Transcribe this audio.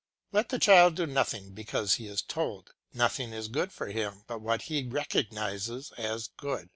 Let the child do nothing because he is told; nothing is good for him but what he recognises as good.